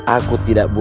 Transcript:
aku tidak boleh